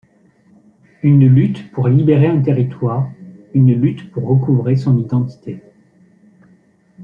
Une lutte pour libérer un territoire, une lutte pour recouvrer son identité.